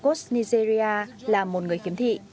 agos nigeria là một người khiếm thị